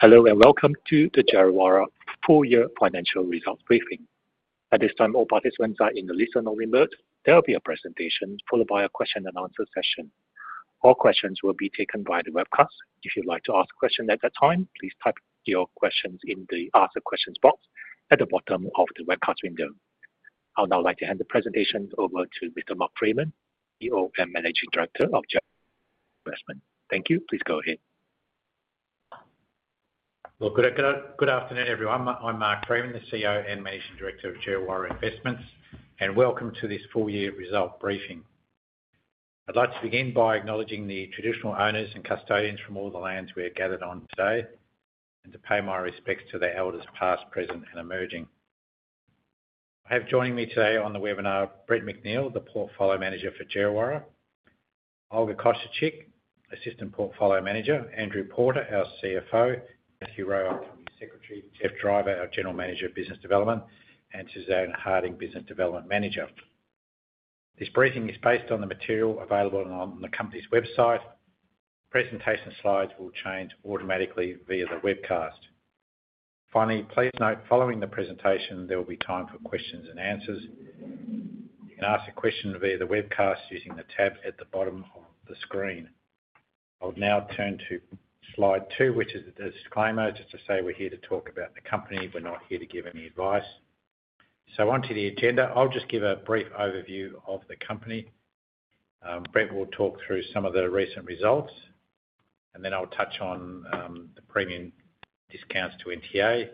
Hello and welcome to the Djerriwarrh full year financial results briefing. At this time all participants are in the listen-only mode. There will be a presentation followed by a question and answer session. All questions will be taken by the webcast. If you'd like to ask a question at that time, please type your questions in the ask a question box at the bottom of the webcast window. I would now like to hand the presentation over to Mr. Mark Freeman, CEO and Managing Director, Djerriwarrh Investments. Thank you. Please go ahead. Good afternoon everyone. I'm Mark Freeman, the CEO and Managing Director of Djerriwarrh Investments and welcome to this full year result briefing. I'd like to begin by acknowledging the traditional owners and custodians from all the lands we are gathered on today, and to pay my respects to their elders, past, present and emerging. I have joining me today on the webinar Brett McNeill, the Portfolio Manager for Djerriwarrh, Olga Kosciuczyk, Assistant Portfolio Manager, Andrew Porter, our CFO, Matthew Rowe, Secretary, Geoffrey Driver, our General Manager of Business Development, and Suzanne Harding, Business Development Manager. This briefing is based on the material available on the company's website presentation. Slides will change automatically via the webcast. Please note, following the presentation there will be time for questions and answers. You can ask a question via the webcast using the tab at the bottom of the screen. I'll now turn to slide two, which is a disclaimer just to say we're here to talk about the company. We're not here to give any advice. Onto the agenda, I'll just give a brief overview of the company. Brett will talk through some of the recent results and then I'll touch on the premium discounts to NTA.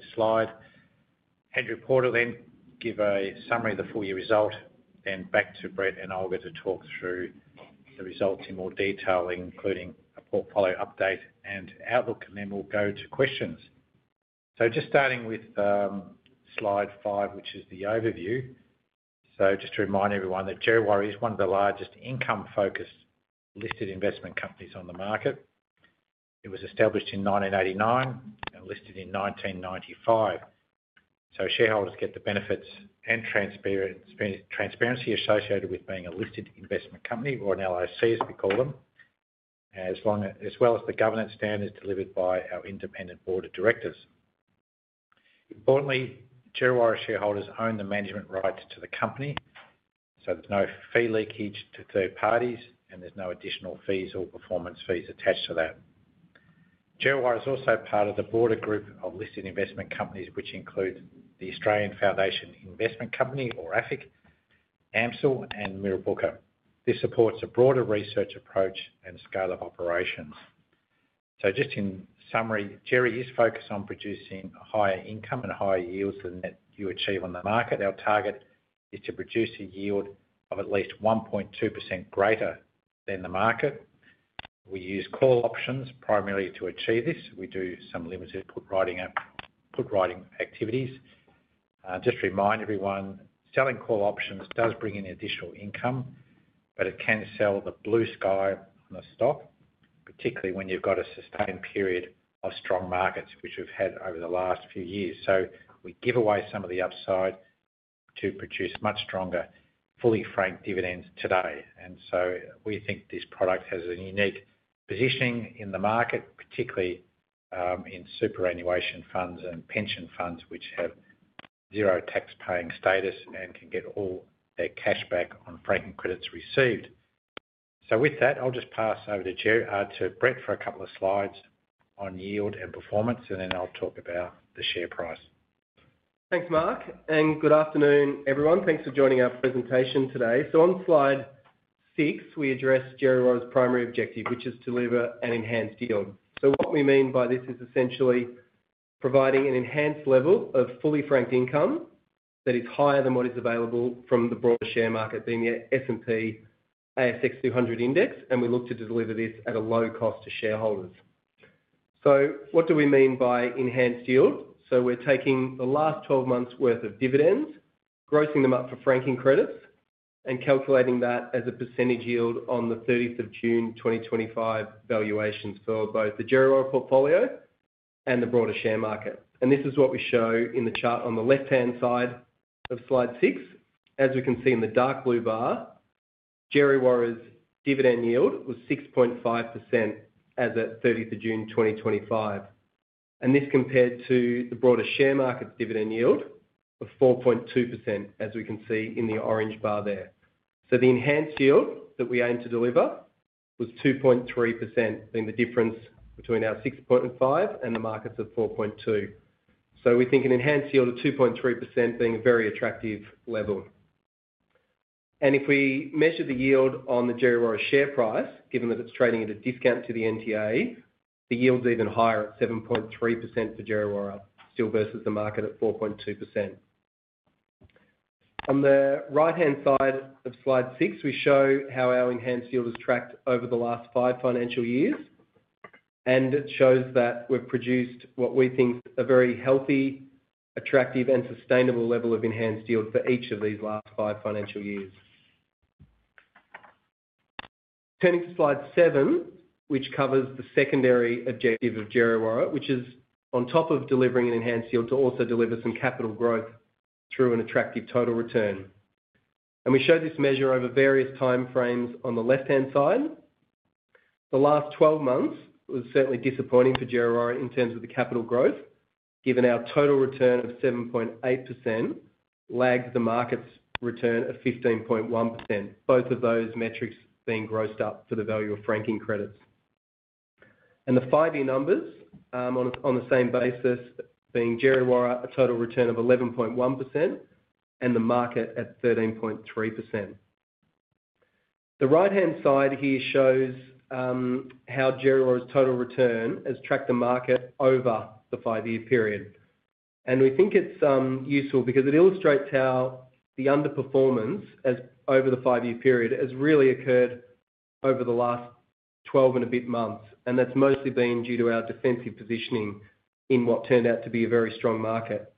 Andrew Porter will then give a summary of the full year result. Back to Brett and Olga to talk through the results in more detail, including a portfolio update and outlook. Then we'll go to questions. Just starting with slide five, which is the overview. Just to remind everyone that Djerriwarrh is one of the largest income focused listed investment companies on the market. It was established in 1989, listed in 1995, so shareholders get the benefits and transparency associated with being a Listed Investment Company, or an LIC as we call them, as well as the governance standards delivered by our independent Board of Directors. Importantly, Djerriwarrh shareholders own the management rights to the company, so there's no fee leakage to third parties and there's no additional fees or performance fees attached to that. Djerriwarrh is also part of the broader group of listed investment companies which include the Australian Foundation Investment Company or AFIC, AMCIL and Mirrabooka. This supports a broader research approach and scale of operations. In summary, Djerriwarrh is focused on producing higher income and higher yields than you achieve on the market. Our target is to produce a yield of at least 1.2% greater than the market. We use call options primarily to achieve this. We do some limited put writing activities. Just remind everyone, selling call options does bring in additional income, but it can sell the blue sky on the stock, particularly when you've got a sustained period of strong markets which we've had over the last few years. We give away some of the upside to produce much stronger fully franked dividends today. We think this product has a unique positioning in the market, particularly in superannuation funds and pension funds which have zero tax paying status and can get all their cash back on franking credits received. With that, I'll just pass over to Brett for a couple of slides on yield and performance and then I'll talk about the share price. Thanks Mark and good afternoon everyone. Thanks for joining our presentation today. On slide six we address Djerriwarrh's primary objective, which is to deliver an enhanced yield. What we mean by this is essentially providing an enhanced level of fully franked income that is higher than what is available from the broader share market, being the S&P/ASX 200 Index. We look to deliver this at. A low cost to shareholders. What do we mean by enhanced yield? We're taking the last 12 months' worth of dividends, grossing them up for franking credits and calculating that as a percentage yield on 30 June 2025 valuations for both the Djerriwarrh portfolio and the broader share market. This is what we show in the chart on the left-hand side of slide 6. As we can see in the dark blue bar, Djerriwarrh's dividend yield was 6.5% as at 30 June 2025. This compared to the broader share market dividend yield of 4.2% as we can see in the orange bar there. The enhanced yield that we aim to deliver was 2.3%, being the difference between our 6.5% and the market's 4.2%. We think an enhanced yield of 2.3% is a very attractive level. If we measure the yield on the Djerriwarrh share price, given that it's trading at a discount to the NTA, the yield's even higher at 7.3% for Djerriwarrh, still versus the market at 4.2%. On the right-hand side of slide six, we show how our enhanced yield has tracked over the last five financial years. It shows that we've produced what we think is a very healthy, attractive, and sustainable level of enhanced yield for each. Of these last five financial years. Turning to slide seven, which covers the secondary objective of Djerriwarrh, which is on top of delivering an enhanced yield to also deliver some capital growth through an attractive total return. We show this measure over various time frames. On the left-hand side, the last 12 months was certainly disappointing for Djerriwarrh in terms of the capital growth given our total return of 7.8% lagged the market's return of 15.1%. Both of those metrics being grossed up for the value of franking credits, and the five-year numbers on the same basis being Djerriwarrh, a total return of 11.1% and the market at 13.3%. The right-hand side here shows how Djerriwarrh's total return has tracked the market over the five-year period. We think it's useful because it illustrates how the underperformance over the five-year period has really occurred over the last 12 and a bit months. That's mostly been due to our defensive positioning in what turned out to be a very strong market.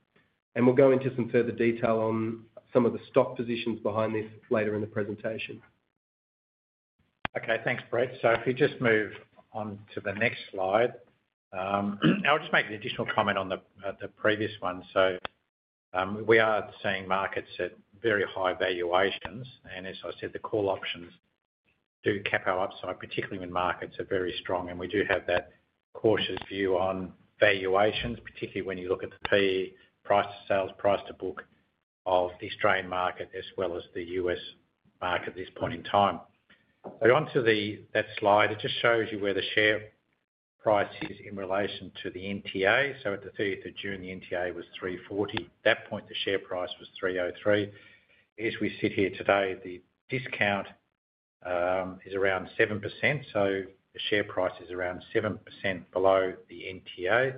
We'll go into some further detail on some of the stock positions behind this later in the presentation. Okay, thanks Brett. If you just move on to the next slide, I'll just make an additional comment on the previous one. We are seeing markets at very high valuations and as I said, the call options do cap our upside, particularly when markets are very strong. We do have that cautious view on valuations, particularly when you look at the price-to-sales, price-to-book of the Australian market as well as the U.S. market at this point in time. Onto that slide, it just shows you where the share price is in relation to the NTA. At the 30th of June the NTA was $3.40. At that point the share price was $3.03. As we sit here today, the discount is around 7%. The share price is around 7% below the NTA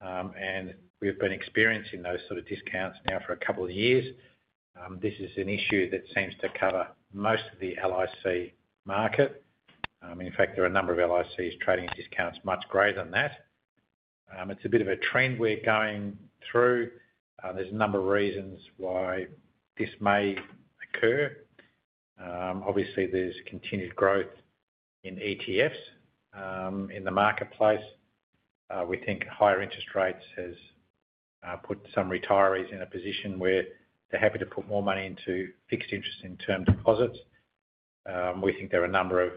and we've been experiencing those sort of discounts now for a couple of years. This is an issue that seems to cover most of the LIC market. In fact, there are a number of LICs trading at discounts much greater than that. It's a bit of a trend. We're going through. There's a number of reasons why this may occur. Obviously, there's continued growth in ETFs in the marketplace. We think higher interest rates have put some retirees in a position where they're happy to put more money into fixed interest and term deposits. We think there are a number of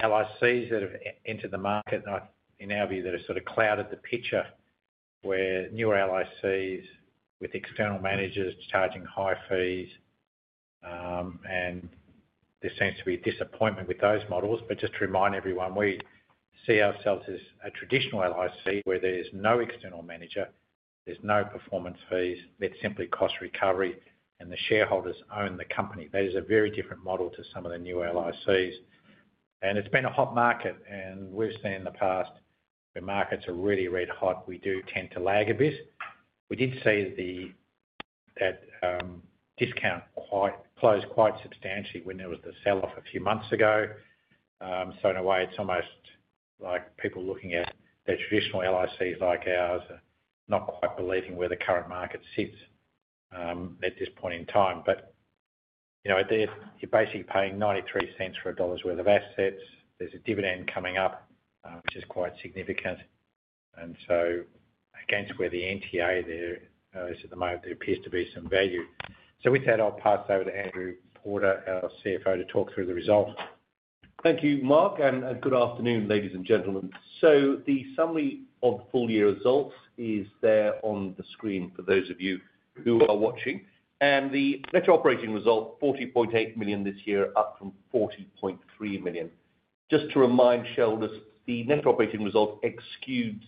LICs that have entered the market in our view that have sort of clouded the picture where new LICs with external managers are charging high fees. There seems to be disappointment with those models. Just to remind everyone, we see ourselves as a traditional LIC where there is no external manager, there's no performance fees, it's simply cost recovery and the shareholders own the company. That is a very different model to some of the new LICs. It's been a hot market and we've seen in the past when markets are really red hot, we do tend to lag a bit. We did see that discount quite close quite substantially when there was the sell-off a few months ago. In a way, it's almost like people looking at their traditional LIC like ours, not quite believing where the current market sits at this point in time. You're basically paying $0.93 for a dollar's worth of assets. There's a dividend coming up which is quite significant. Against where the NTA is at the moment, there appears to be some value. With that, I'll pass over to Andrew Porter, our CFO, to talk through the results. Thank you, Mark. Good afternoon, ladies and gentlemen. The summary of full year results is there on the screen for those of you who are watching. The net operating result: $40.8 million this year, up from $40.3 million. Just to remind shareholders, the net operating result excludes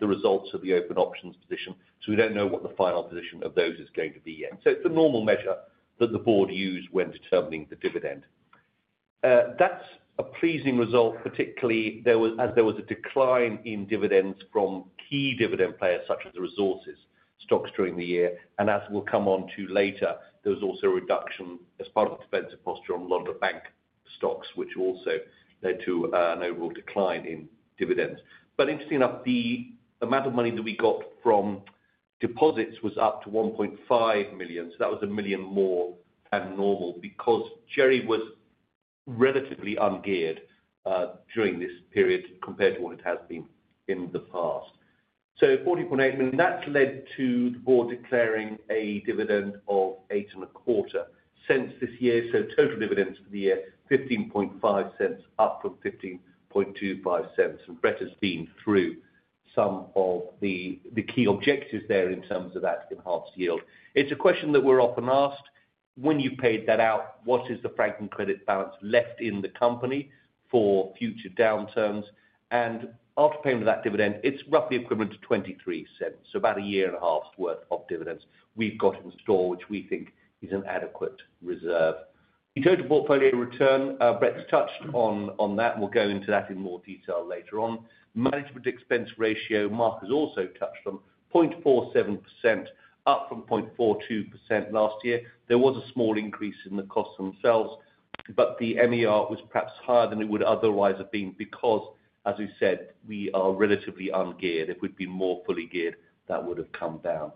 the results of the open options position. We don't know what the final position of those is going to be yet. It is a normal measure that the Board uses when determining the dividend. That's a pleasing result, particularly as there was a decline in dividends from key dividend players such as the resources stocks during the year. As we'll come on to later, there was also a reduction as part of the defensive posture on London bank stocks, which also led to a notable decline in dividends. Interestingly enough, the amount of money that we got from deposits was up to $1.5 million. That was $1 million more than normal because Djerriwarrh was relatively ungeared during this period compared to what it has been in the past. $40.8 million has led to the Board declaring a dividend of $0.0825. Total dividends for the year: $0.155, up from $0.1525. Brett has been through some of the key objectives there in terms of that enhanced yield. It's a question that we're often asked: when you paid that out, what is the franking credit balance left in the company for future downturns? After paying for that dividend, it's roughly equivalent to $0.23. About a year and a half worth of dividends which we've got in store, which we think is an adequate reserve in total portfolio return. Brett's touched on that. We'll go into that in more detail later on. Management Expense Ratio, Mark has also touched on: 0.47%, up from 0.42% last year. There was a small increase in the costs themselves, but the MER was perhaps higher than it would otherwise have been because, as we said, we are relatively ungeared. If we'd been more fully geared, that would have come down.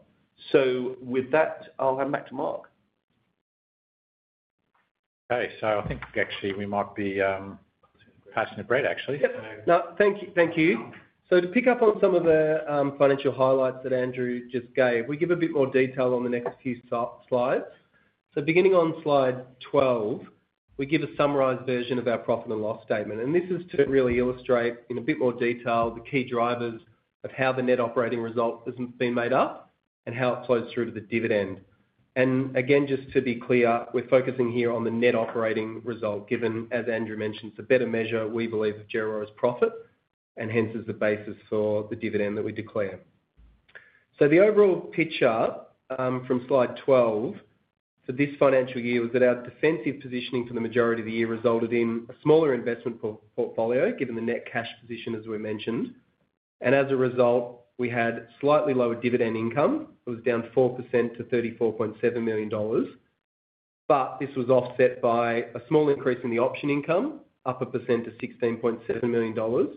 With that, I'll hand back to Mark. Okay, I think we might be passing the bread, actually. No, thank you. Thank you. To pick up on some of the financial highlights that Andrew just gave, we give a bit more detail on the next few slides. Beginning on slide 12, we give a summarized version of our profit and loss statement. This is to really illustrate in a bit more detail the key drivers of how the net operating result has been made up and how it flows through to the dividend. Again, just to be clear, we're focusing here on the net operating result given, as Andrew mentioned, it's a better measure, we believe, of Djerriwarrh's profit and hence is the basis for the dividend that we declare. The overall picture from slide 12 for this financial year was that our defensive positioning for the majority of the year resulted in a smaller investment portfolio, given the net cash position, as we mentioned. As a result, we had slightly lower dividend income. It was down 4% to $34.7 million. This was offset by a small increase in the option income, up 1% to $16.7 million.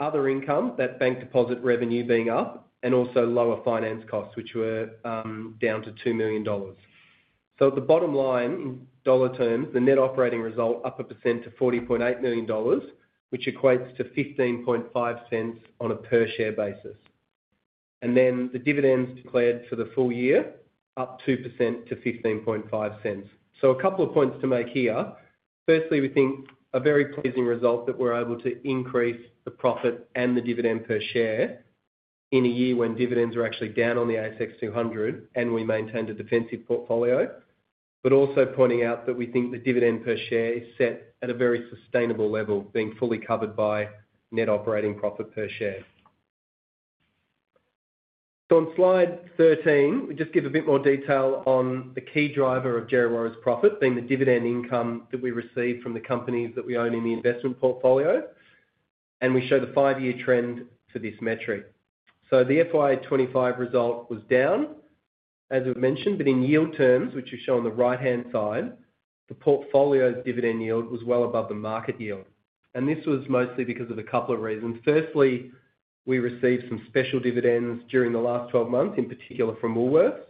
Other income, that bank deposit revenue being up, and also lower finance costs, which were down to $2 million. At the bottom line, dollar terms, the net operating result up 1% to $40.8 million, which equates to $0.155 on a per share basis. The dividends declared for the full year up 2% to $0.155. A couple of points to make here. Firstly, we think a very pleasing result that we're able to increase the profit and the dividend per share in a year when dividends are actually down on the S&P/ASX 200 Index. We maintained a defensive portfolio, but also pointing out that we think the dividend per share is set at a very sustainable level, being fully covered by net operating profit per share. On slide 13, we just give a bit more detail on the key driver of Djerriwarrh's profit being the dividend income that we received from the companies that we own in the investment portfolio. We show the five-year trend for this metric. The FY 2025 result was down. As we've mentioned, in yield terms, which is shown on the right-hand side, the portfolio dividend yield was well above the market yield. This was mostly because of a couple of reasons. Firstly, we received some special dividends during the last 12 months, in particular from Woolworths,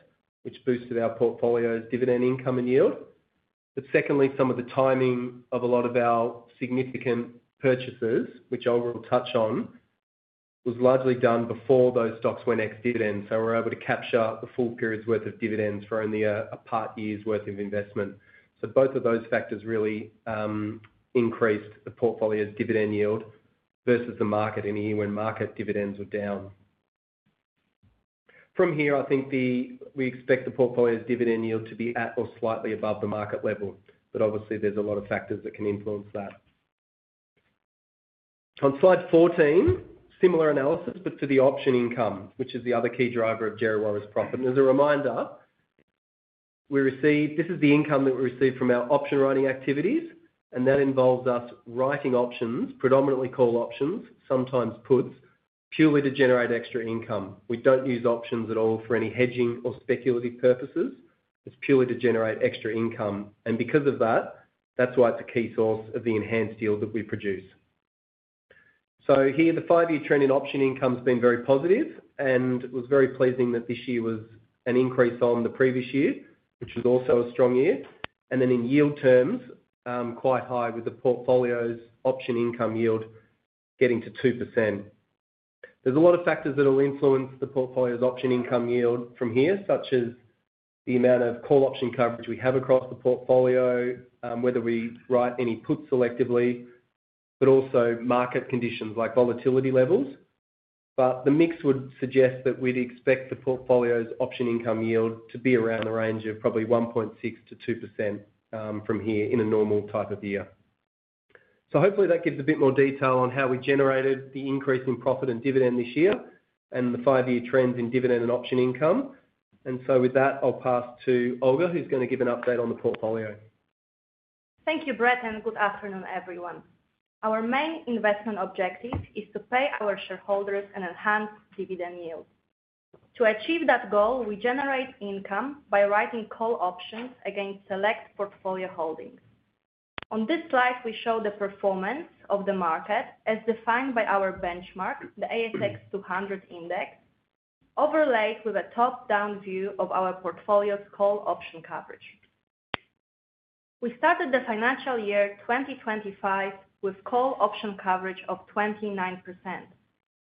which boosted our portfolio dividend income and yield. But secondly, some of the timing of a lot of our significant purchases, which Olga will touch on, was largely done before those stocks went ex dividend. We were able to capture the full period's worth of dividends for only a part year's worth of investment. Both of those factors really increased the portfolio's dividend yield versus the market in a year when market dividends were down. From here, I think we expect the portfolio's dividend yield to be at or slightly above the market level. Obviously there's a lot of factors that can influence that. On slide 14, similar analysis, but for the option income, which is the other key driver of Djerriwarrh's profit, and as a reminder, this is the income that we receive from our option writing activities and that involves us writing options, predominantly call options, sometimes puts, purely to generate extra income. We don't use options at all for any hedging or speculative purposes. It's purely to generate extra income, and because of that, that's why it's a key source of the enhanced yield that we produce. Here, the five-year trend in option income has been very positive and it was very pleasing that this year was an increase on the previous year, which was also a strong year. In yield terms, quite high, with the portfolio's option income yield getting to 2%. There's a lot of factors that will influence the portfolio's option income yield from here, such as the amount of call option coverage we have across the portfolio, whether we write any puts selectively, but also market conditions like volatility levels. The mix would suggest that we'd expect the portfolio's option income yield to be around the range of probably 1.6%-2% from here in a normal type of year. Hopefully that gives a bit more detail on how we generated the increase in profit and dividend this year and the five-year trends in dividend and option income. With that, I'll pass to Olga who's going to give an update on the portfolio. Thank you Brett and good afternoon everyone. Our main investment objective is to pay our shareholders an enhanced dividend yield. To achieve that goal, we generate income by writing call options against select portfolio holdings. On this slide we show the performance of the market as defined by our benchmark, the S&P/ASX 200 Index, overlaid with a top down view of our portfolio's call option coverage. We started the financial year 2025 with call option coverage of 29%,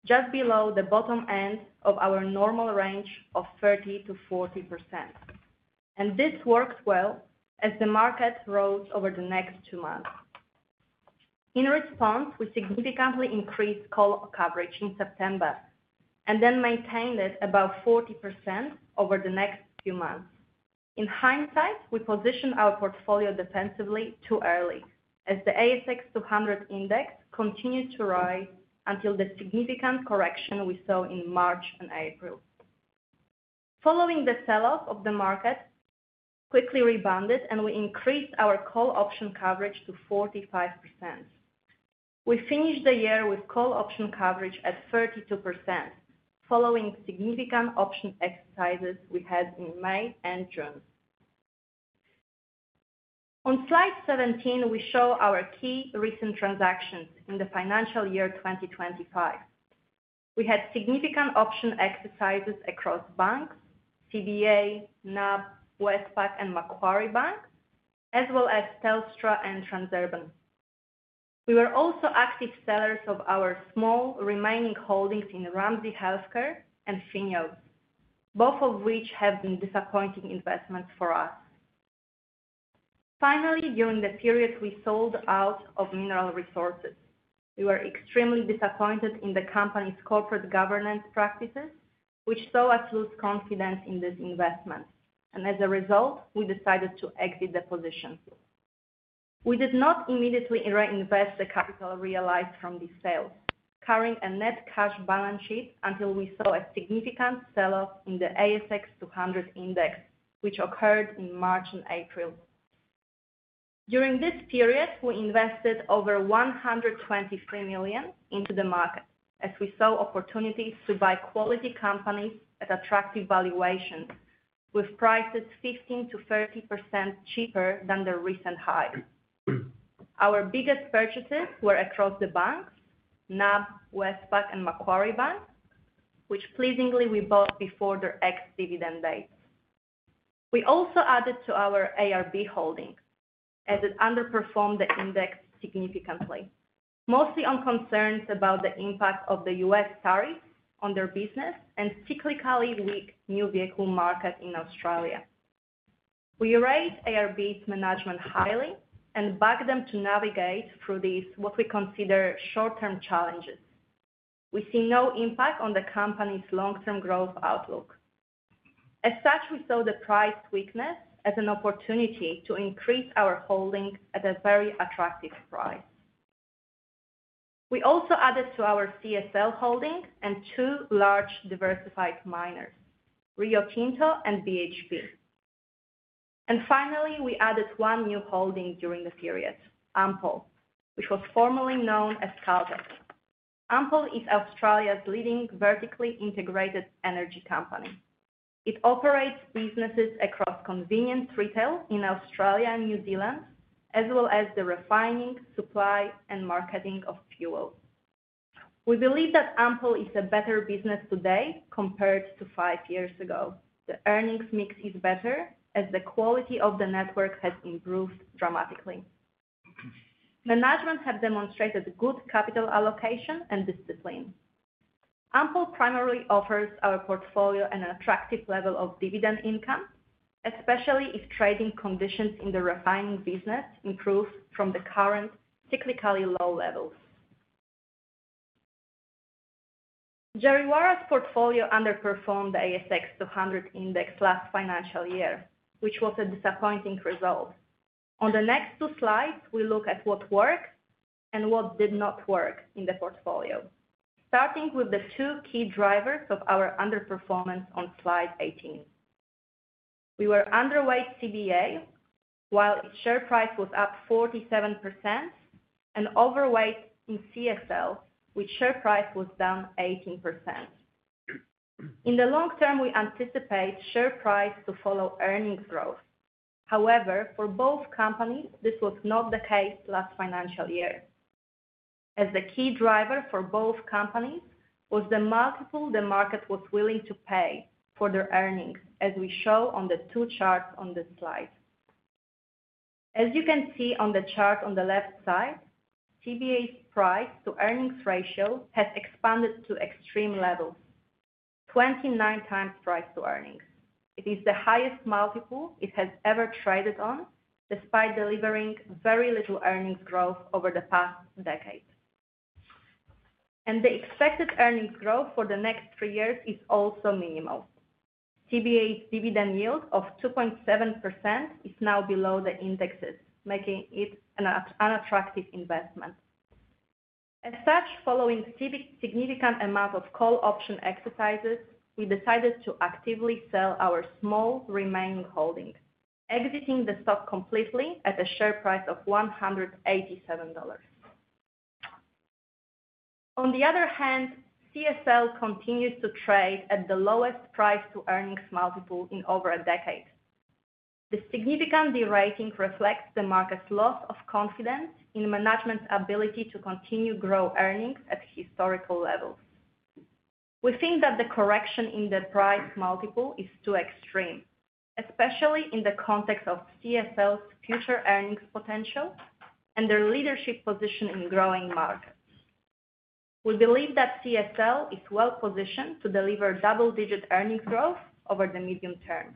just below the bottom end of our normal range of 30%-40%. This worked well as the market rose over the next two months. In response, we significantly increased call coverage in September and then maintained it above 40% over the next few months. In hindsight, we positioned our portfolio defensively too early as the S&P/ASX 200 Index continued to rise until the significant correction we saw in March and April. Following the sell off, the market quickly rebounded and we increased our call option coverage to 45%. We finished the year with call option coverage at 32% following significant option exercises we had in May and June. On slide 17 we show our key recent transactions. In the financial year 2025, we had significant option exercises across banks CBA, NAB, Westpac and Macquarie Bank as well as Telstra and Transurban. We were also active sellers of our small remaining holdings in Ramsay Health Care and FINEOS, both of which have been disappointing investments for us. Finally, during the period we sold out of Mineral Resources. We were extremely disappointed in the company's corporate governance practices which saw us lose confidence in this investment and as a result we decided to exit the position. We did not immediately reinvest the capital realized from this sale, carrying a net cash balance sheet until we saw a significant sell off in the S&P/ASX 200 Index which occurred in March and April. During this period we invested over $123 million into the market as we saw opportunities to buy quality companies at attractive valuations with prices 15%-30% cheaper than the recent high. Our biggest purchases were across the banks NAB, Westpac and Macquarie Bank which, pleasingly, we bought before their ex dividend date. We also added to our ARB Holding as it underperformed the index significantly, mostly on concerns about the impact of the U.S. tariff on their business and a cyclically weak new vehicle market in Australia. We rate ARB's management highly and back them to navigate through these what we consider short-term challenges. We see no impact on the company's long-term growth outlook. As such, we saw the price weakness as an opportunity to increase our holding at a very attractive price. We also added to our CSL holding and two large diversified miners, Rio Tinto and BHP. Finally, we added one new holding during the period, Ampol, which was formerly known as Caltex. Ampol is Australia's leading vertically integrated energy company. It operates businesses across convenience retail in Australia and New Zealand as well as the refining, supply, and marketing of fuel. We believe that Ampol is a better business today compared to five years ago. The earnings mix is better as the quality of the network has improved dramatically. Management have demonstrated good capital allocation and discipline. Ampol primarily offers our portfolio an attractive level of dividend income, especially if trading conditions in the refining business improve from the current cyclically low levels. Djerriwarrh's portfolio underperformed the S&P/ASX 200 Index last financial year, which was a disappointing result. On the next two slides, we look at what worked and what did not work in the portfolio, starting with the two key drivers of our underperformance. On slide 18, we were underweight CBA while its share price was up 47% and overweight in CSL, which share price was down 18%. In the long term, we anticipate share price to follow earnings growth. However, for both companies, this was not the case last financial year as the key driver for both companies was the multiple the market was willing to pay for their earnings, as we show on the two charts on this slide. As you can see on the chart on the left side, CBA's price-to-earnings ratio has expanded to extreme levels, 29x price-to-earnings. It is the highest multiple it has ever traded on despite delivering very little earnings growth over the past decade, and the expected earnings growth for the next three years is also minimal. CBA's dividend yield of 2.7% is now below the index's, making it an unattractive investment. As such, following significant amount of call option exercises, we decided to actively sell our small remaining holding, exiting the stock completely at a share price of $187. On the other hand, CSL continues to trade at the lowest price-to-earnings multiple in over a decade. The significant derating reflects the market's loss of confidence in management's ability to continue to grow earnings at historical levels. We think that the correction in the price multiple is too extreme, especially in the context of CSL's future earnings potential and their leadership position in growing markets. We believe that CSL is well positioned to deliver double digit earnings growth over the medium term.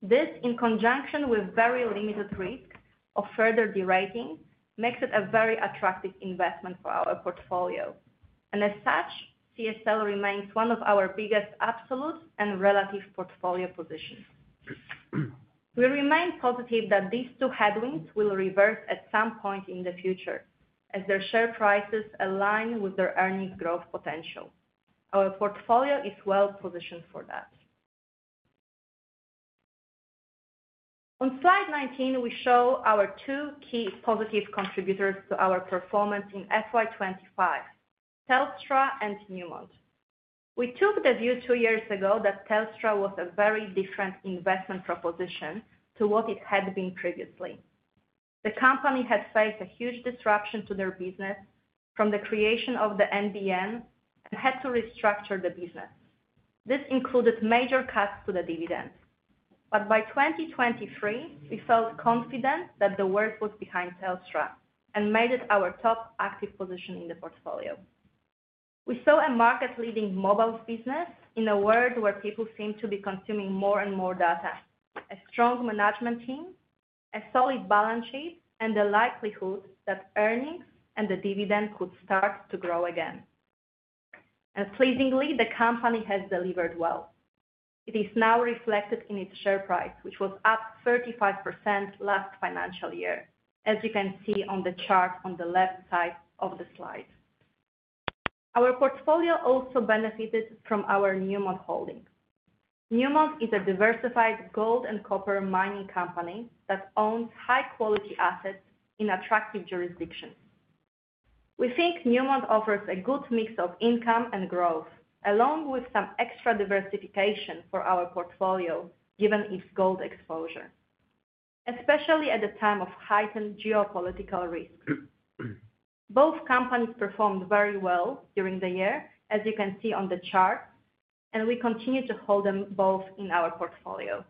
This, in conjunction with very limited risk of further derating, makes it a very attractive investment for our portfolio and as such CSL remains one of our biggest absolute and relative portfolio positions. We remain positive that these two headwinds will reverse at some point in the future as their share prices align with their earnings growth potential. Our portfolio is well positioned for that. On slide 19, we show our two key positive contributors to our performance in FY 2025: Telstra and Newmont. We took the view two years ago that Telstra was a very different investment proposition to what it had been previously. The company had faced a huge disruption to their business from the creation of the NBN and had to restructure the business. This included major cuts to the dividend, but by 2023 we felt confident that the worst was behind Telstra and made it our top active position in the portfolio. We saw a market leading mobile business in a world where people seem to be consuming more and more data, a strong management team, a solid balance sheet, and the likelihood that earnings and the dividend could start to grow again. Pleasingly, the company has delivered well. It is now reflected in its share price, which was up 35% last financial year as you can see on the chart on the left side of the slide. Our portfolio also benefited from our Newmont Holdings. Newmont is a diversified gold and copper mining company that owns high quality assets in attractive jurisdictions. We think Newmont offers a good mix of income and growth along with some extra diversification for our portfolio given its gold exposure, especially at a time of heightened geopolitical risk. Both companies performed very well during the year as you can see on the chart, and we continue to hold them both in our portfolio.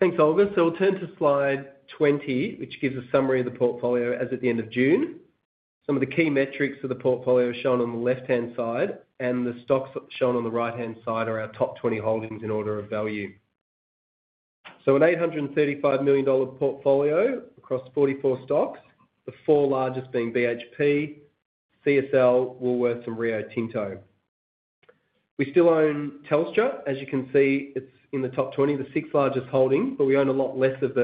Thanks, Olga. We'll turn to slide 20, which gives a summary of the portfolio as at the end of June. Some of the key metrics of the portfolio are shown on the left-hand side, and the stocks shown on the right-hand side are our top 20 holdings in order of value. An $835 million portfolio across 44 stocks, the four largest being BHP, CSL, Woolworths, and Rio Tinto. We still own Telstra, as you can see it's in the top 20, the sixth largest holding, but we own a lot less of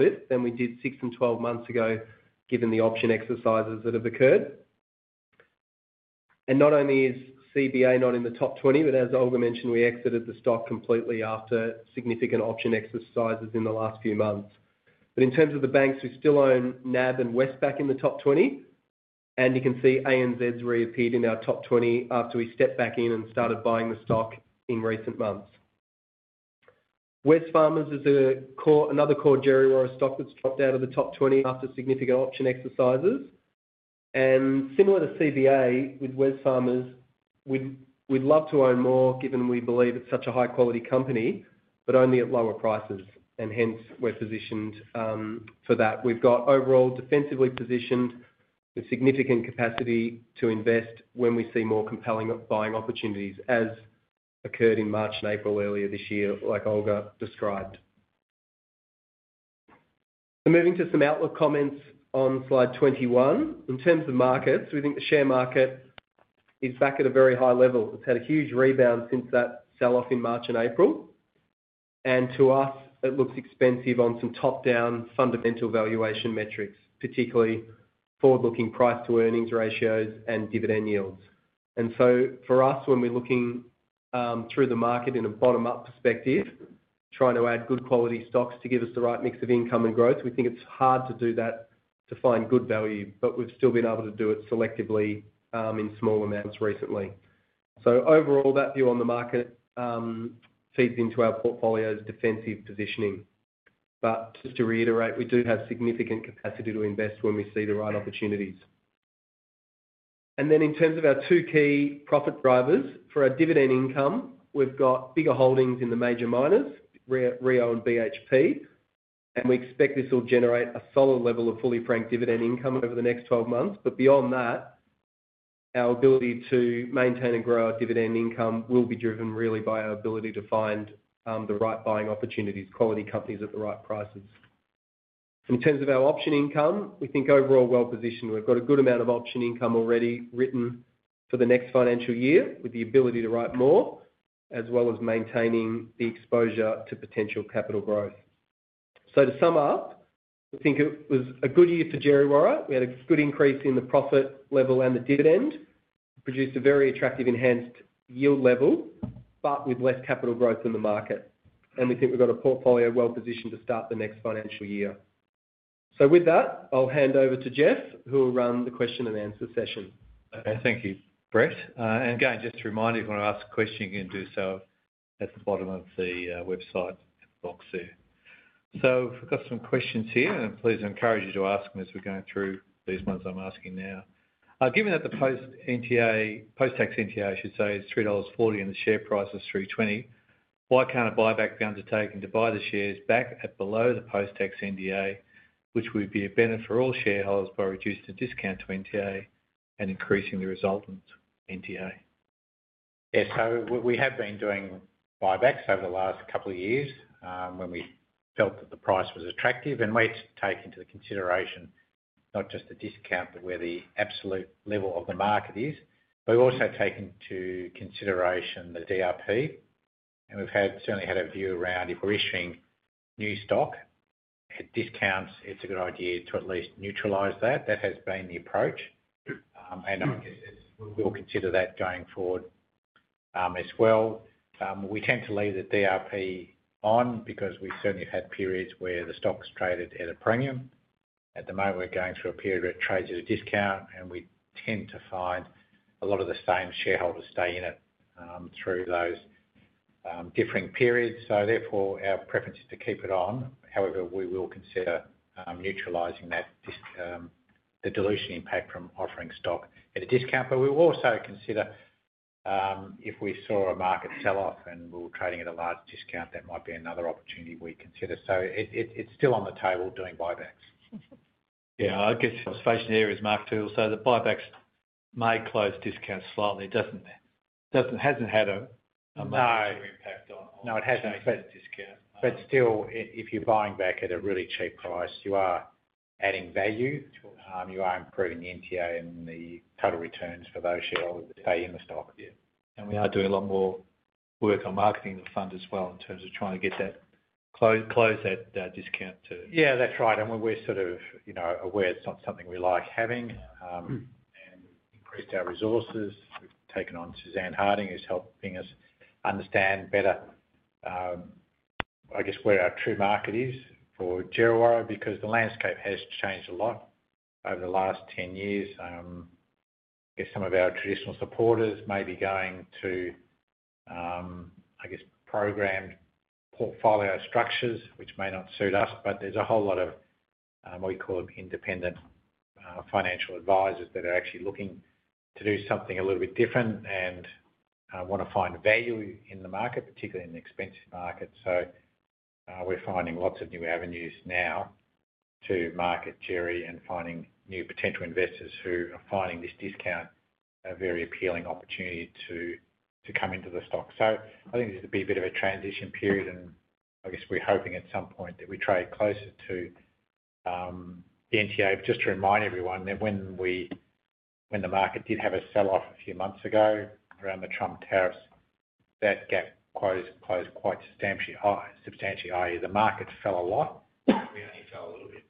it than we did 6 and 12 months ago given the option exercises that have occurred. Not only is CBA not in the top 20, but as Olga mentioned, we exited the stock completely after significant option exercises in the last few months. In terms of the banks, we still own NAB and Westpac in the top 20, and you can see ANZ has reappeared in our top 20 after we stepped back in and started buying the stock in recent months. Wesfarmers is another core Djerriwarrh stock that's dropped out of the top 20 after significant option exercises. Similar to CBA with Wesfarmers, we'd love to own more given we believe it's such a high-quality company, but only at lower prices and hence we're positioned for that. We're overall defensively positioned with significant capacity to invest when we see more compelling buying opportunities, as occurred in March and April earlier this year, like Olga described. Moving to some outlook comments on slide 21 in terms of markets, we think the share market is back at a very high level. It's had a huge rebound since that sell-off in March and April, and to us it looks expensive on some top-down fundamental valuation metrics, particularly forward-looking price-to-earnings ratios and dividend yields. For us, when we're looking through the market in a bottom-up perspective trying to add good quality stocks to give us the right mix of income and growth, we think it's hard to do that, to find good value, but we've still been able to do it selectively in small amounts recently. Overall, that view on the market feeds into our portfolio's defensive positioning. Just to reiterate, we do have significant capacity to invest when we see the right opportunities. In terms of our two key profit drivers for our dividend income, we've got bigger holdings in the major miners, Rio and BHP, and we expect this will generate a solid level of fully franked dividend income over the next 12 months. Beyond that, our ability to maintain and grow our dividend income will be driven really by our ability to find the right buying opportunities, quality companies at the right prices. In terms of our option income, we think overall well positioned, we've got a good amount of option income already written for the next financial year with the ability to write more as well as maintaining the exposure to potential capital growth. To sum up, I think it was a good year for Djerriwarrh. We had a good increase in the profit level and the dividend produced a very attractive enhanced yield level with less capital growth in the market and we think we've got a portfolio well positioned to start the next financial year. With that, I'll hand over to Geoff who will run the question and answer session. Thank you, Brett. Just a reminder, if you want to ask a question, you can do so at the bottom of the website. We've got some questions here and please encourage you to ask them as we're going through these ones. I'm asking now, given that the post NTA, post tax NTA I should say, is $3.40 and the share price is $3.20, why can't a buyback be undertaken to buy the shares back at below the post tax NTA, which would be a benefit for all shareholders by reducing the discount to NTA and increasing the resultant NTA. Yes. We have been doing buybacks over the last couple of years when we felt that the price was attractive, and we take into consideration not just the discount but where the absolute level of the market is. We also take into consideration the DRP, and we've certainly had a view around if we're issuing new stock at discounts, it's a good idea to at least neutralize that. That has been the approach, and we'll consider that going forward as well. We tend to leave the DRP on because we certainly have had periods where the stock's traded at a premium. At the moment, we're going through a period where it trades at a discount, and we tend to find a lot of the same shareholders stay in it through those differing periods. Therefore, our preference is to keep it on. However, we will consider neutralizing the dilution impact from offering stock at a discount. We will also consider if we saw a market sell-off and we were trading at a large discount, that might be another opportunity we consider. It's still on the table doing buybacks? I guess station areas, Mark Freeman. The buybacks may close discounts slightly. It hasn't had a major impact on. No, it hasn't discounted. If you're buying back at a really cheap price, you are adding value, you are improving the NTA and the total returns for those shareholders that stay in the stock. We are doing a lot more. Work on marketing the fund as well in terms of trying to get that close that discount to. Yeah, that's right. When we're sort of, you know, aware it's not something we like having and increased our resources. We've taken on Suzanne Harding who's helped us understand better, I guess where our true market is for Djerriwarrh because the landscape has changed a lot over the last 10 years. Some of our traditional supporters may be going to, I guess, programmed portfolio structures which may not suit us, but there's a whole lot of what we call them independent financial advisors that are actually looking at to do something a little bit different and want to find value in the market, particularly in the expensive market. We're finding lots of new avenues now to market Djerriwarrh and finding new potential investors who are finding this discount a very appealing opportunity to come into the stock. I think this would be a bit of a transition period and I guess we're hoping at some point that we trade closer to the NTA. Just to remind everyone that when the market did have a sell off a few months ago around the Trump tariffs, that gap closed quite substantially. As the market fell a lot, it fell a little bit.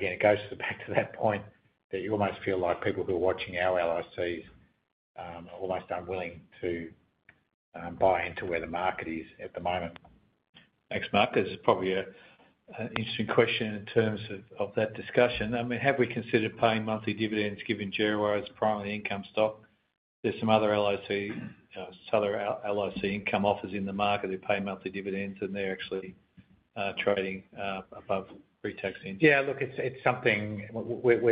It goes back to that point that you almost feel like people who are watching our LICs are almost unwilling to buy into where the market is at the moment. Thanks Mark. This is probably an interesting question in terms of that discussion. I mean have we considered paying monthly dividends given Djerriwarrh's primary income stock? There's some other LIC income offers in the market who pay monthly dividends and they're actually trading above pre-tax income. Yeah, look, it's something we're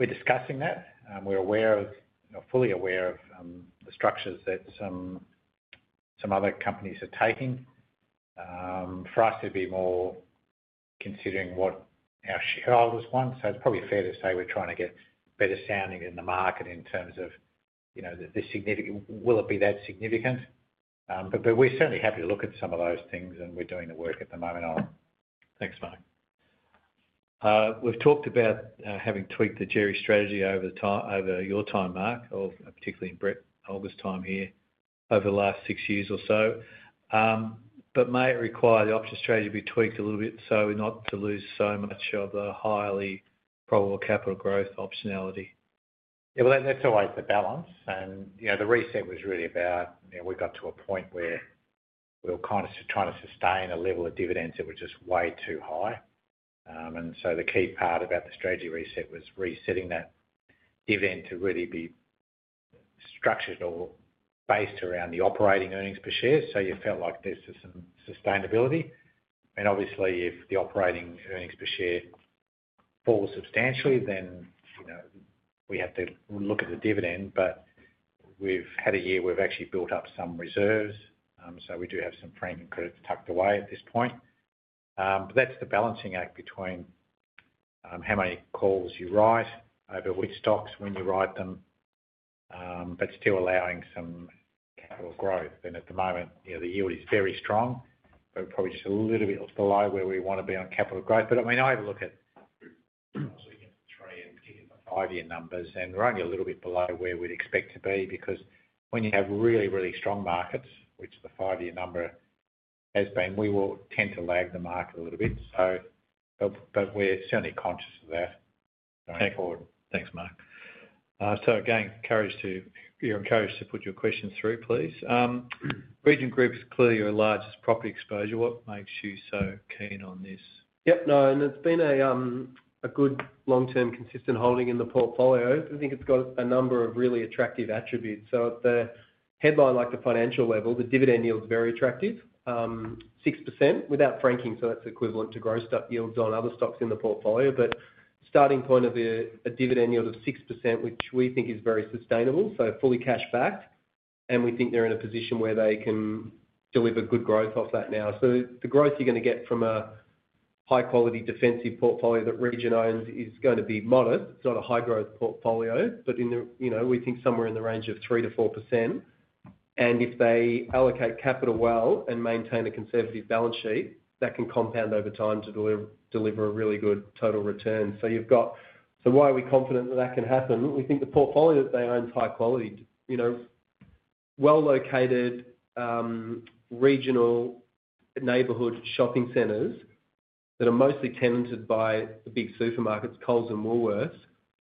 discussing and we're aware of, fully aware of the structures that some other companies are taking. For us, to be more considering what our shareholders want, it's probably fair to say we're trying to get better sounding in the market in terms of, you know, the significant, will it be that significant? We're certainly happy to look at some of those things and we're doing the work at the moment. Thanks Mark. We've talked about having tweaked the Djerriwarrh strategy over the time, over your time. Mark, particularly in Brett [oldest] time here. Over the last six years or so, it may require the option strategy to be tweaked a little bit so not to lose so much of the highly probable capital growth optionality. That's always the balance. The reset was really about we got to a point where we were kind of trying to sustain a level of dividends that were just way too high. The key part about the strategy reset was resetting that event to really be structured or based around the operating earnings per share, so you felt like this is some sustainability. Obviously, if the operating earnings per share falls substantially then you know, we have to look at the dividend. We've had a year. We've actually built up some reserves, so we do have some premium credits tucked away at this point. That's the balancing act between how many calls you write over which stocks when you write them, but still allowing some capital growth. At the moment the yield is very strong but probably just a little bit below where we want to be on capital growth. I have a look at three and five year numbers and we're only a little bit below where we'd expect to be because when you have really, really strong markets, which the five year number has been, we will tend to lag the market a little bit. We're certainly conscious of that. Thanks, Mark. Again, you're encouraged to put your questions through, please. Region Group is clearly your largest property exposure. What makes you so keen on this? Yep, no. It's been a good long term consistent holding in the portfolio. I think it's got a number of really attractive attributes. The headline, like the financial level, the dividend yield is very attractive, 6% without franking. That's equivalent to gross stock yields on other stocks in the portfolio. A starting point of a dividend yield of 6%, which we think is very sustainable, fully cash backed. We think they're in a position where they can deliver good growth off that now. The growth you're going to get from a high quality defensive portfolio that Djerriwarrh owns is going to be modest. It's not a high growth portfolio, but we think somewhere in the range of 3%-4%. If they allocate capital well and maintain a conservative balance sheet, that can compound over time to deliver a really good total return. You've got. We think the portfolio that they own is high quality, well located. Regional neighborhood shopping centers that are mostly tenanted by the big supermarkets, Coles and Woolworths,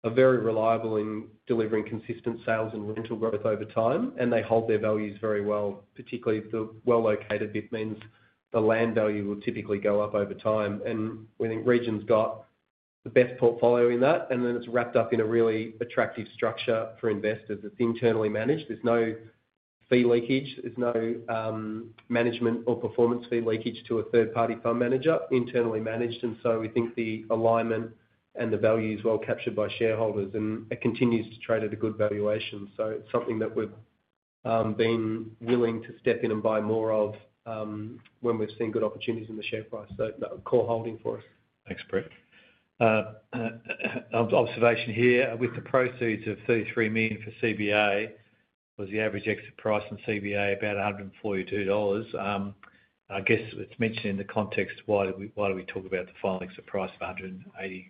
are very reliable in delivering consistent sales and rental growth over time. They hold their values very well, particularly if they're well located, which means the land value will typically go up over time. We think [Region got] the best portfolio in that. It's wrapped up in a really attractive structure for investors that's internally managed. There's no fee leakage, there's no management or performance fee leakage to a third party fund manager, internally managed. We think the alignment and the value is well captured by shareholders and it continues to trade at a good valuation. It's something that we've been willing to step in and buy more of when we've seen good opportunities in the share price. Core holding for us. Thanks Brett. Observation here. With the proceeds of $33 million for CBA, was the average exit price on CBA about $142? I guess it's mentioned in the context. Why do we talk about the final. Exit price of $180?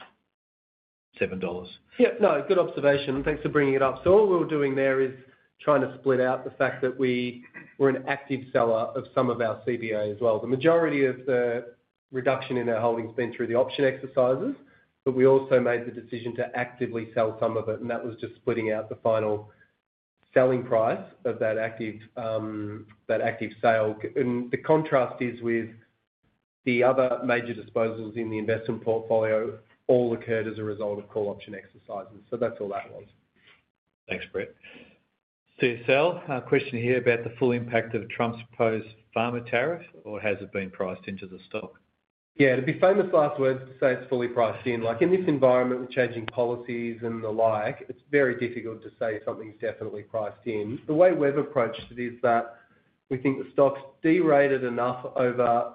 Yeah, no, good observation. Thanks for bringing it up. All we were doing there is trying to split out the fact that we were an active seller of some of our CBA as well. The majority of the reduction in our holdings has been through the option exercises, but we also made the decision to actively sell some of it, and that was just splitting out the final selling price of that active sale. The contrast is with the other major disposals in the investment portfolio, which all occurred as a result of call option exercises. That's all that was. Thanks, Brett. CSL question here about the full impact of Trump's proposed pharma tariff, or has it been priced into the stock? Yeah, to be famous, last word to say it's fully priced in like in this environment with changing policies and the like, it's very difficult to say something's definitely priced in. The way we've approached it is that we think the stock's derated enough,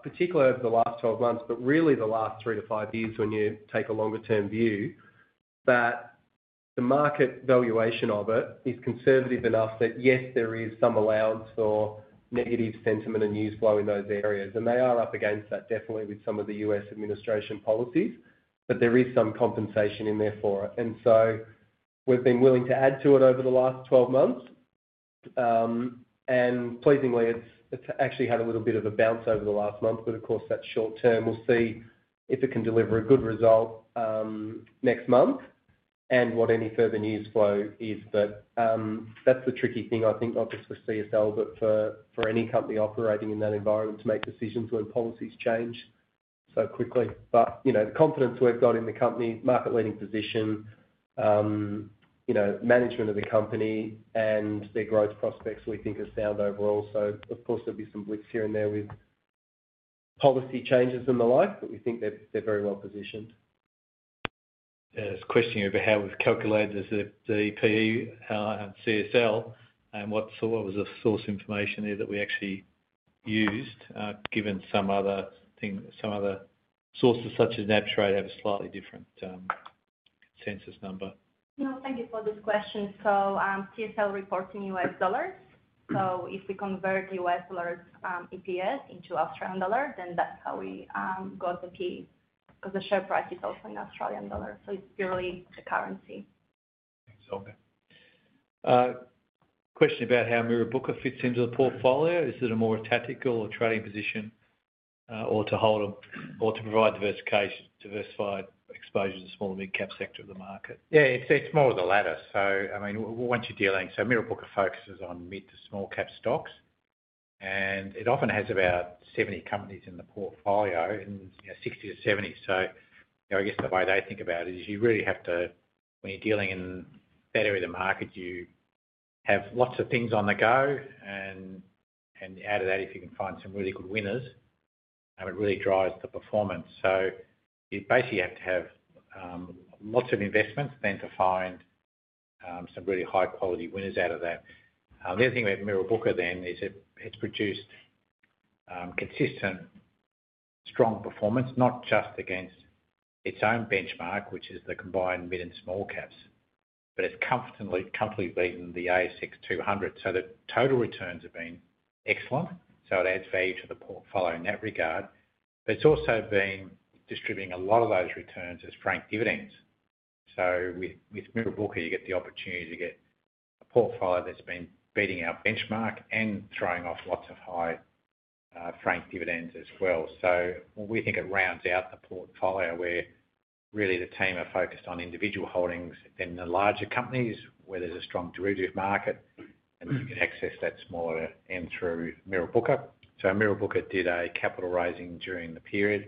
particularly over the last 12 months, but really the last three to five years when you take a longer term view, that the market valuation of it is conservative enough that yes, there is some allowance for negative sentiment and news flow in those areas and they are up against that definitely with some of the U.S. administration policies, but there is some compensation in there for it. We've been willing to add to it over the last 12 months and pleasingly it's actually had a little bit of a bounce over the last month. Of course, that is short term. We'll see if it can deliver a good result next month and what any further news flow is. That's the tricky thing, I think, not just for CSL but for any company operating in that environment to make decisions when policies change so quickly. The confidence we've got in the company, market leading position, management of the company and their growth prospects, we think are sound overall. Of course, there'll be some blips here and there with policy changes and the like, but we think that they're very well positioned. There's a question over how we've calculated the P/E for CSL and what was the source information there that we actually used. Given some other sources such as Macquarie have a slightly different census number. Thank you for this question. CSL reports in U.S. dollars. If we convert U.S. dollars EPS into Australian dollars, then that's how we got the P/E because the share price is also in Australian dollars. It's purely the currency. Question about. How Mirrabooka fits into the portfolio. Is it a more tactical or trading position, or to hold them, or to provide diversification, diversified exposure to small mid cap sector of the market? Yeah, it's more of the latter. Once you're dealing, Mirrabooka focuses on mid to small cap stocks and it often has about 70 companies in the portfolio, in 60-70. I guess the way they think about it is you really have to, when you're dealing in that area of the market, you have lots of things on the go and out of that, if you can find some really good winners, it really drives the performance. You basically have to have lots of investments then to find some really high quality winners out of that. The other thing about Mirrabooka then is it's produced consistent strong performance not just against its own benchmark, which is the combined mid and small caps, but it's comfortably beaten the S&P/ASX 200 Index. The two total returns have been excellent. It adds value to the portfolio in that regard. It's also been distributing a lot of those returns as fully franked dividends. With Mirrabooka you get the opportunity to get a portfolio that's been beating our benchmark and throwing off lots of high fully franked dividends as well. We think it rounds out the portfolio where really the team are focused on individual holdings, then the larger companies, where there's a strong derivative market and you can access that smaller end through Mirrabooka. Mirrabooka did a capital raising during the period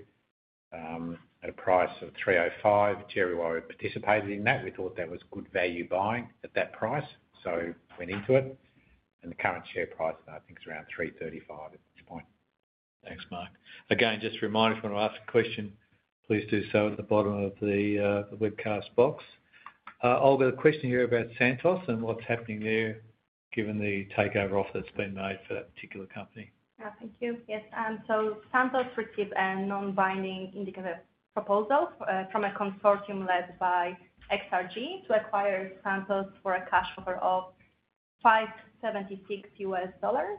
at a price of $3.05. Djerriwarrh participated in that. We thought that was good value buying at that price, so went into it, and the current share price I think is around $3.35 at this point. Thanks Mark. Again, just a reminder if you want to ask a question, please do so at the bottom of the webcast box. I'll get a question here about Santos and what's happening there, given the takeover offer that's been made for that particular company. Thank you. Yes. Santos received a non-binding indicative proposal from a consortium led by XRG to acquire Santos for a cash offer of US$5.76.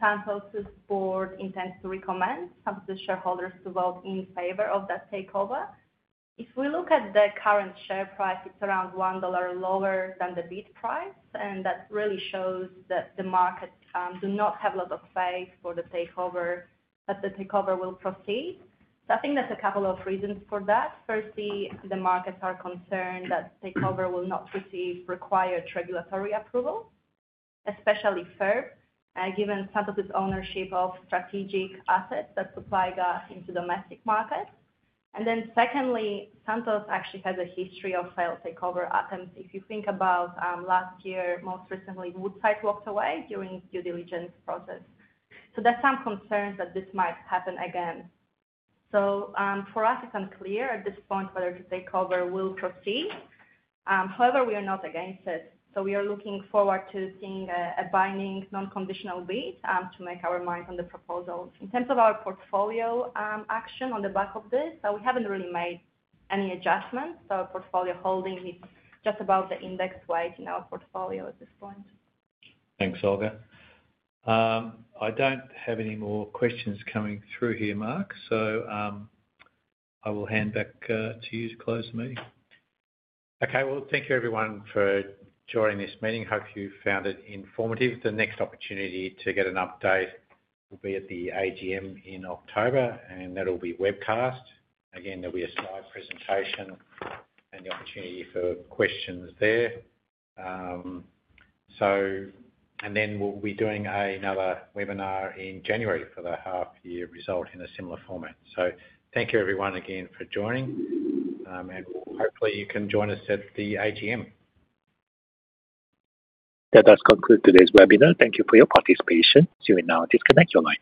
Santos' board intends to recommend Santos shareholders to vote in favor of that takeover. If we look at the current share price, it's around $1 lower than the bid price. That really shows that the market does not have a lot of faith that the takeover will proceed. I think there's a couple of reasons for that. Firstly, the markets are concerned that the takeover will not receive required regulatory approval, especially given Santos' ownership of strategic assets that supply into the domestic market. Secondly, Santos actually has a history of failed takeover attempts. If you think about last year, most recently Woodside walked away during the due diligence process. There are some concerns that this might happen again. For us, it's unclear at this point whether the takeover will proceed. However, we are not against it. We are looking forward to seeing a binding non-conditional bid to make our mind on the proposals. In terms of our portfolio action on the back of this, we haven't really made any adjustments to our portfolio. Holding is just above the index weight in our portfolio at this point. Thanks Olga. I don't have any more questions coming through here, Mark, so I will hand back to you to close the meeting. Okay, thank you everyone for joining this meeting. Hope you found it informative. The next opportunity to get an update will be at the AGM in October and that'll be webcast again. There'll be a slide presentation and the opportunity for questions there. We will be doing another webinar in January for the half year result in a similar format. Thank you everyone again for joining and hopefully you can join us at the AGM. That does conclude today's webinar. Thank you for your participation. You will now disconnect your line.